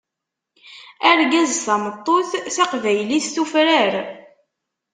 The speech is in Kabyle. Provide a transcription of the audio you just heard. Argaz tameṭṭut, taqbaylit tufrar.